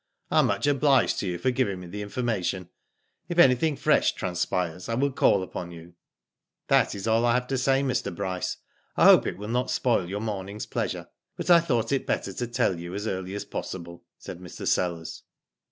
"I am much obliged to you for giving me the information. If anything fresh trans pires I will call upon you." *^That is all I have to say, Mr. Bryce. I hope it will not spoil your morning's pleasure, but I thought it better to tell you as early as possible," said Mr. Sellers.